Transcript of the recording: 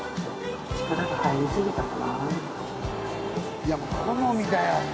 いや好みだよ。